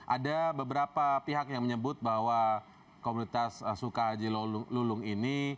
ada beberapa pihak yang menyebut bahwa komunitas sukahaji lulung ini